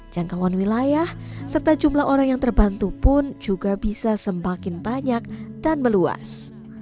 jangkauan wilayah serta jumlah orang yang terbantu pun juga bisa semakin banyak dan meluas